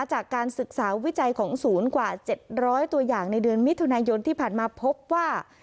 จากการศึกษาวิจัยของศูนย์กว่า๗๐๐ตัวอย่างในเดือนมิถุนายนที่ผ่านมาพบว่า